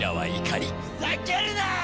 ふざけるなーっ！